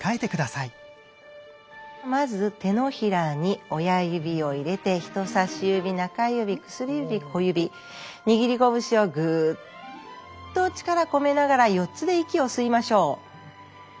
まず手のひらに親指を入れて人さし指中指薬指小指握り拳をグッと力込めながら４つで息を吸いましょう。